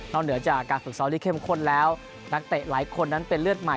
เหนือจากการฝึกซ้อมที่เข้มข้นแล้วนักเตะหลายคนนั้นเป็นเลือดใหม่